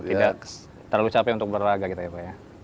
tidak terlalu capek untuk berlaga gitu ya pak ya